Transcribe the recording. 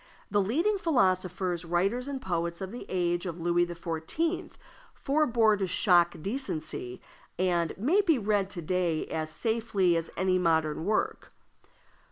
The leading philosophers, writers, and poets of the age of Louis XIV. forbore to shock decency, and may be read to day as safely as any modern work.